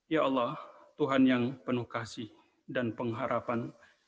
ya allah tuhan yang penuh kasih dan pengharapan